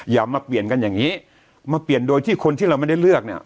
อย่ามาเปลี่ยนกันอย่างนี้มาเปลี่ยนโดยที่คนที่เราไม่ได้เลือกเนี่ย